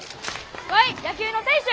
ワイ野球の選手！